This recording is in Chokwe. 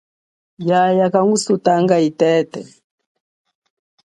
Yaya kangu sutata itete.